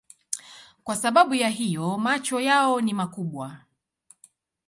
Kwa sababu ya hiyo macho yao ni makubwa.